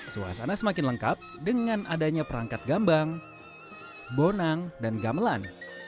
suasana semakin lengkap dengan adanya perangkat gambang bonang dan gamelan